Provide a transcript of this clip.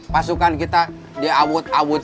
pasukan kita dialut alut